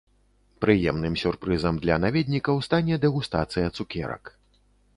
Прыемным сюрпрызам для наведнікаў стане дэгустацыя цукерак.